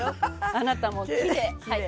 あなたもきれい。